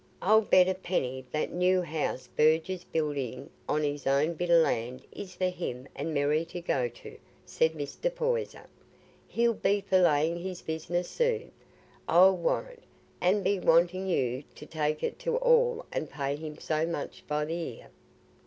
"I'll bet a penny that new house Burge is building on his own bit o' land is for him and Mary to go to," said Mr. Poyser. "He'll be for laying by business soon, I'll warrant, and be wanting you to take to it all and pay him so much by th' 'ear.